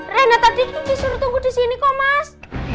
reina tadi disuruh tunggu disini kok mas